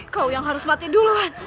kau yang harus mati duluan